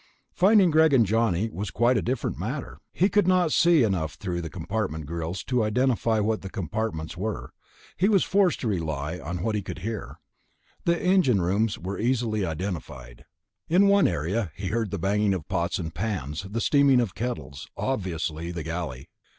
Finding Greg and Johnny was quite a different matter. He could not see enough through the compartment grills to identify just what the compartments were; he was forced to rely on what he could hear. The engine rooms were easily identified. In one area he heard the banging of pots and pans, the steaming of kettles ... obviously the galley.